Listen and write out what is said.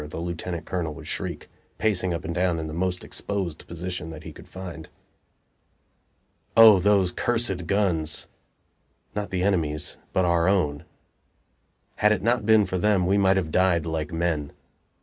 the lieutenant colonel would shriek, pacing up and down in the most exposed position that he could find. O those cursed guns! not the enemy's, but our own. Had it not been for them, we might have died like men.